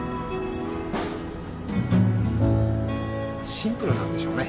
シンプルなんでしょうね。